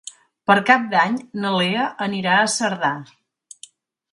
Per Cap d'Any na Lea anirà a Cerdà.